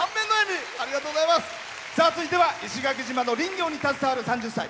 続いては石垣島の林業に携わる３０歳。